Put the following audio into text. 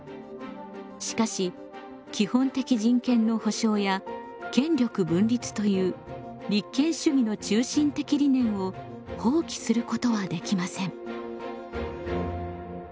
しかし基本的人権の保障や権力分立という立憲主義の中心的理念を放棄することはできません。